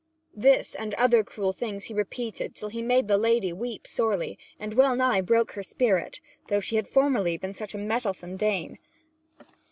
These and other cruel things he repeated till he made the lady weep sorely, and wellnigh broke her spirit, though she had formerly been such a mettlesome dame.